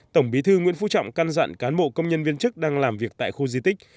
tổng bí thư nguyễn phú trọng căn dặn cán bộ công nhân viên chức đang làm việc tại khu di tích